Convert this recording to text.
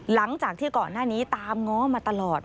หลังจากที่ก่อนหน้านี้ตามง้อมาตลอด